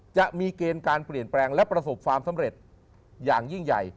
จะมีเกณฑ์การเปลี่ยนแปลงและประสบความสำเร็จอย่างยิ่งใหญ่